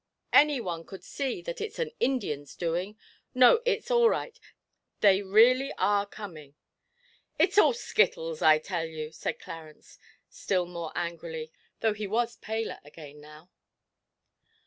Any one could see that it's an Indian's doing. No, it's all right; they really are coming.' 'It's all skittles, I tell you,' said Clarence, still more angrily, though he was paler again now.